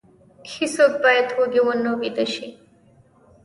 هیڅوک باید وږی ونه ویده شي.